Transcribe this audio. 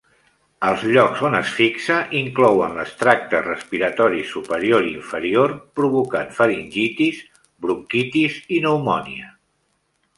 Els llocs on es fixa inclouen les tractes respiratoris superior i inferior, provocant faringitis, bronquitis i pneumònia.